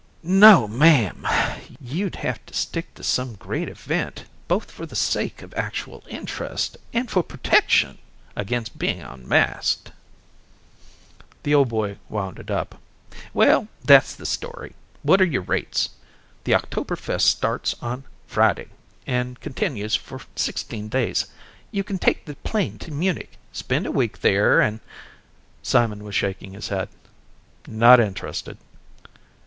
"No ma'am, you'd have to stick to some great event, both for the sake of actual interest and for protection against being unmasked." The old boy wound it up. "Well, that's the story. What are your rates? The Oktoberfest starts on Friday and continues for sixteen days. You can take the plane to Munich, spend a week there and " Simon was shaking his head. "Not interested."